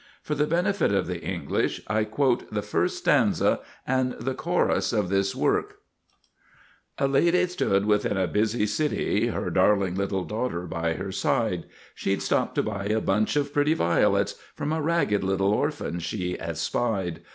For the benefit of the English, I quote the first stanza and the chorus of this work: A lady stood within a busy city, Her darling little daughter by her side; She'd stopped to buy a bunch of pretty violets From a ragged little orphan she espied.